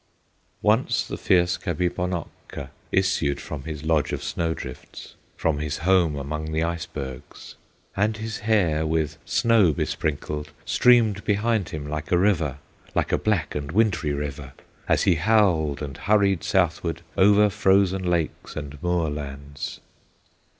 Once the fierce Kabibonokka Issued from his lodge of snow drifts From his home among the icebergs, And his hair, with snow besprinkled, Streamed behind him like a river, Like a black and wintry river, As he howled and hurried southward, Over frozen lakes and moorlands.